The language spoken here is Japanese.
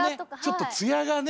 ちょっと艶がね。